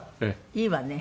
いいわね。